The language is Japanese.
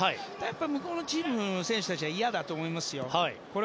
向こうのチームの選手たちは嫌だと思いますよ。